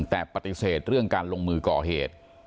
แต่ปฏิเสธเรื่องการลงมือก่อเหตุ